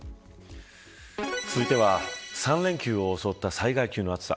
続いては３連休を襲った災害級の暑さ。